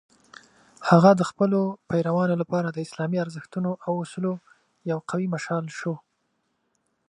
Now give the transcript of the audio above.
هغه د خپلو پیروانو لپاره د اسلامي ارزښتونو او اصولو یو قوي مشال شو.